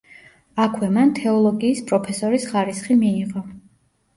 აქვე მან თეოლოგიის პროფესორის ხარისხი მიიღო.